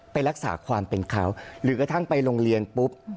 ไปรักษาความเป็นเขาหรือกระทั่งไปโรงเรียนปุ๊บ